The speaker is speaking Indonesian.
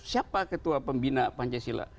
siapa ketua pembina pancasila